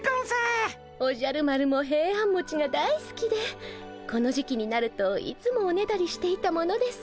おじゃる丸もヘイアンもちが大好きでこの時期になるといつもおねだりしていたものです。